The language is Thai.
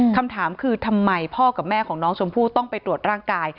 คำถามคือทำไมพ่อกับแม่ของน้องชมพู่ต้องไปตรวจร่างกาย